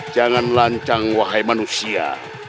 jangan lancang wahai manusia